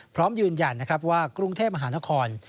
พร้อมยืนยันนะครับว่ากรุงเทพมหานคร